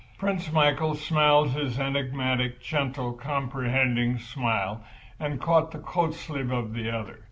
Prince Michael smiled his enigmatic, gentle, comprehending smile and caught the coat sleeve of the other.